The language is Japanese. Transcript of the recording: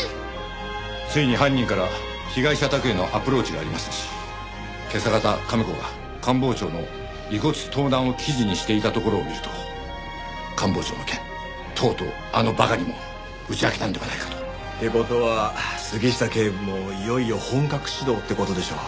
ついに犯人から被害者宅へのアプローチがありましたし今朝方亀子が官房長の遺骨盗難を記事にしていたところを見ると官房長の件とうとうあの馬鹿にも打ち明けたのではないかと。って事は杉下警部もいよいよ本格始動って事でしょう。